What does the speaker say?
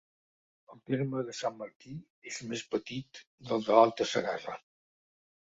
El terme de Sant Martí és el més petit de l'Alta Segarra.